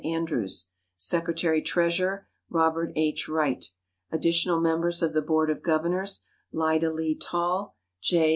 Andrews. Secretary Treasurer Robert H. Wright. Additional Members of the Board of Governors Lida Lee Tall, J.